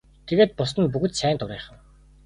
Тэгээд бусад нь бүгд сайн дурынхан.